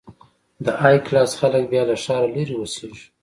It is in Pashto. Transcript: د های کلاس خلک بیا له ښاره لرې اوسېږي.